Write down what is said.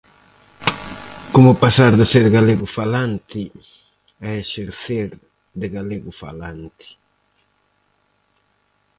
Como pasar de ser "galegofalante" a exercer de "galegofalante"?